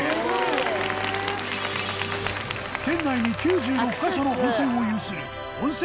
県内に９６カ所の温泉を有する温泉